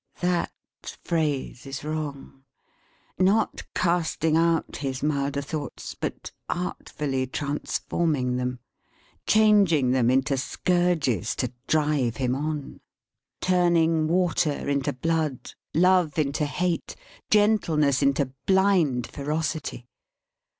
That phrase is wrong. Not casting out his milder thoughts, but artfully transforming them. Changing them into scourges to drive him on. Turning water into blood, Love into hate, Gentleness into blind ferocity.